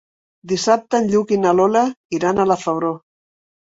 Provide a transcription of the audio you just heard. Dissabte en Lluc i na Lola iran a la Febró.